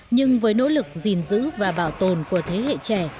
nhưng với nỗ lực gìn giữ và bảo tồn của thế hệ trẻ